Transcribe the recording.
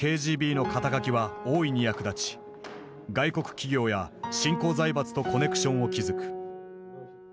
元ＫＧＢの肩書は大いに役立ち外国企業や新興財閥とコネクションを築く。